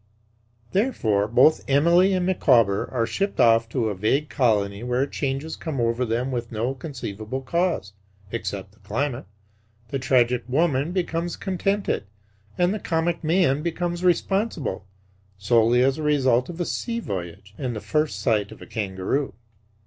Therefore, both Emily and Micawber are shipped off to a vague colony where changes come over them with no conceivable cause, except the climate. The tragic woman becomes contented and the comic man becomes responsible, solely as the result of a sea voyage and the first sight of a kangaroo.